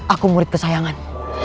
aku murid kesayangan